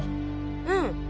うん。